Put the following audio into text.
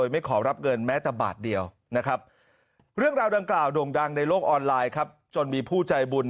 ไม่มีเงินนะฮะ